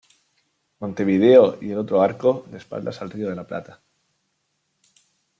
Montevideo y el otro arco de espaldas al río de la plata.